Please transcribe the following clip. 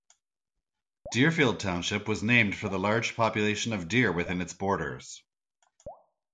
Deerfield Township was named for the large population of deer within its borders.